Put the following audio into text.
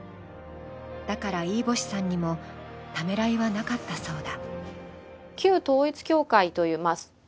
だから飯星さんにもためらいはなかったそうだ。